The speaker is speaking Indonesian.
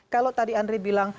kalau tadi andri bilang